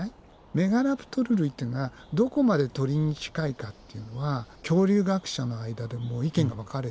メガラプトル類っていうのはどこまで鳥に近いかっていうのは恐竜学者の間でも意見が分かれてて。